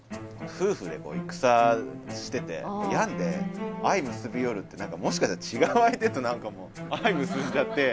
夫婦で戦してて病んで「相むすびよる」ってもしかしたら違う相手と何かもう相むすんじゃって。